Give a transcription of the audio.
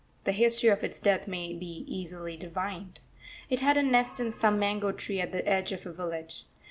The history of its death may easily be divined. It had a nest in some mango tree at the edge of a village.